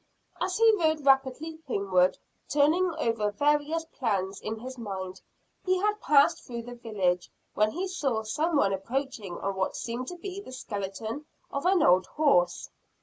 As he rode rapidly homeward, turning over various plans, in his mind, he had passed through the village, when he saw some one approaching on what seemed to be the skeleton of an old horse.